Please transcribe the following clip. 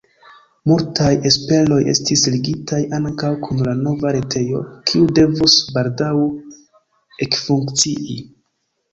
Multaj esperoj estis ligitaj ankaŭ kun la nova retejo, kiu devus “baldaŭ” ekfunkcii.